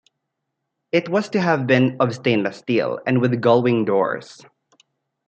It was to have been of stainless steel, and with gullwing doors.